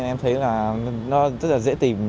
em thấy là nó rất là dễ tìm